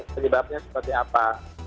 penyebabnya seperti apa